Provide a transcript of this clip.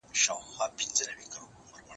زه پرون د کتابتون لپاره کار وکړل؟!